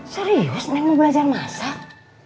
serius nek mau belajar masak